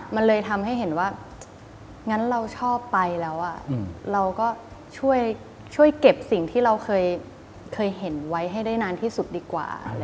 มันเลยทำให้เห็นว่างั้นเราชอบไปแล้วเราก็ช่วยเก็บสิ่งที่เราเคยเห็นไว้ให้ได้นานที่สุดดีกว่า